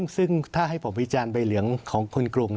ซึ่งถ้าให้ผมวิจารณ์ใบเหลืองของคนกรุง